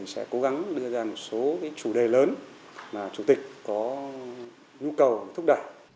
sẽ cố gắng đưa ra một số chủ đề lớn mà chủ tịch có nhu cầu thúc đẩy